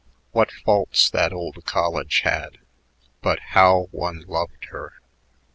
What faults that old college had; but how one loved her!